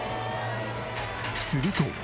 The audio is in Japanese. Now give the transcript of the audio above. すると。